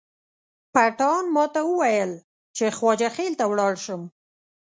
پټان ماته وویل چې خواجه خیل ته ولاړ شم.